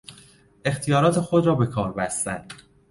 اختیارات خود را به کار بستن